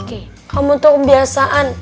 kamu tuh kebiasaan